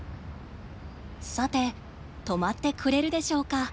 さて止まってくれるでしょうか。